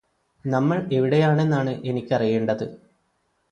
നമ്മള് എവിടെയാണെന്നാണ് എനിക്കറിയേണ്ടത്